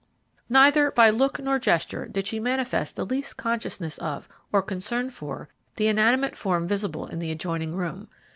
Neither by look nor gesture did she manifest the least consciousness of, or concern for, the inanimate form visible in the adjoining room.